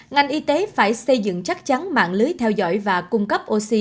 ngành y tế phải xây dựng chắc chắn mạng lưới theo dõi và cung cấp oxy